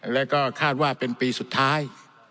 แล้วก็คาดว่าเป็นปีสุดท้าย